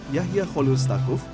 yahya kholir stakuf